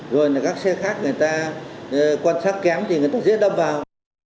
rồi là các xe khác người ta quan sát kém thì người ta dễ đâm vào